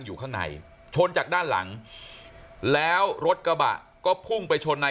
อยู่ข้างในชนจากด้านหลังแล้วรถกระบะก็พุ่งไปชนนาย